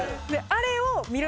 あれを。